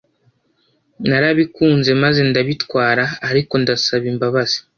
narabikunze maze ndabitwara ariko ndasaba imbabazi.